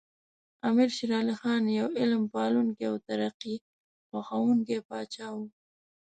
امیر شیر علی خان یو علم پالونکی او ترقي خوښوونکی پاچا و.